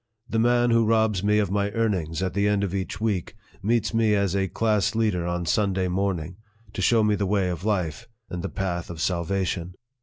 The man who robs me of my earnings at the end of each week meets me as a class leader on Sunday morning, to show me the way of life, and the path of salvation.